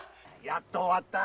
やっと終わった。